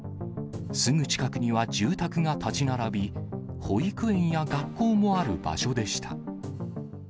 すぐ近くには住宅が建ち並び、保育園や学校もある場所でした。